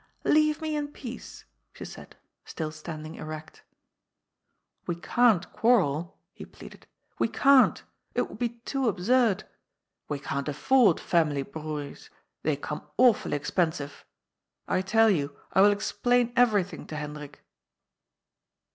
Leave me in peace," she said, still standing erect. 238 GOD'S POOL. " We can't quarrel," he pleaded. " We can't. It would be too absurd. We can't afford family brauillesj they come awfully expensive. I tell you, I will explain everything to Hendrik."